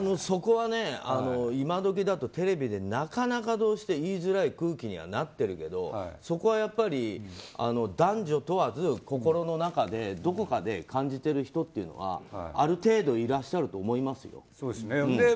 そこはね、今時だとテレビだとなかなかどうして言いづらい空気にはなってるけどそこは男女問わず心の中でどこかで感じてる人というのはある程度いらっしゃると思いますよ。